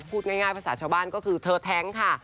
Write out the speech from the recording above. พูดง่ายภาษาชาวบ้านก็คือเธอแท้งค่ะ